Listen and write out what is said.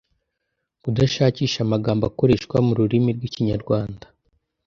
kudashakisha amagambo akoreshwa mu rurimi rw'ikinyarwanda